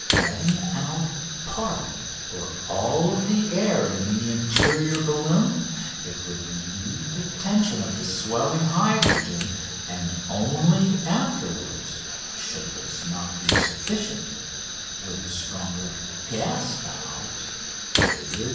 Letting out part or all of the air in the interior balloon, it would relieve the tension of the swelling hydrogen; and only afterwards, should this not be sufficient, would the stronger gas valves (Fig.